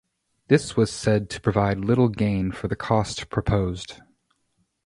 This was said to provide little gain for the cost proposed.